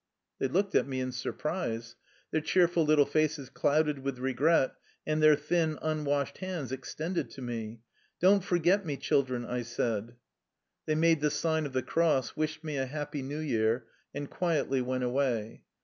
They looked at me in surprise. Their cheer ful little faces clouded with regret, and their thin, unwashed hands extended to me. " Don't forget me, children !" I said. They made the sign of the cross, wished me a happy New Year, and quietly went away.